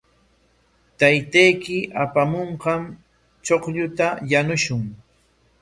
Taytayki apamunqan chuqlluta yanushun.